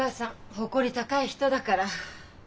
誇り高い人だから。